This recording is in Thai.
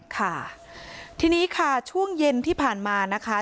ค่ะทีนี้ค่ะช่วงเย็นที่ผ่านมานะคะ